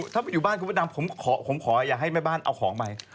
ถ้าอยู่บ้านคุณพระดำผมขออย่าให้แม่บ้านเอาของไป